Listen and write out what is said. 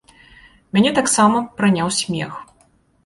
Мяне таксама праняў смех.